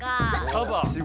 サバ。